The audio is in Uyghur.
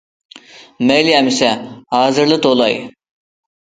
- مەيلى ئەمىسە، ھازىرلا توۋلاي.